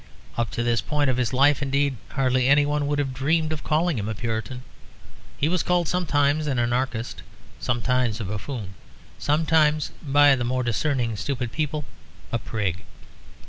Up to this point of his life indeed hardly anyone would have dreamed of calling him a Puritan; he was called sometimes an anarchist, sometimes a buffoon, sometimes (by the more discerning stupid people) a prig.